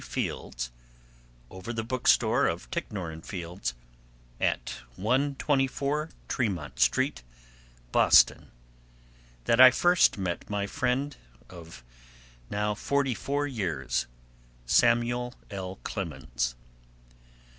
Fields, over the bookstore of Ticknor & Fields, at 124 Tremont Street, Boston, that I first met my friend of now forty four years, Samuel L. Clemens.